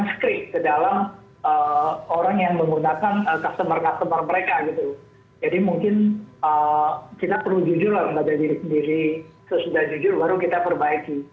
sesudah jujur baru kita perbaiki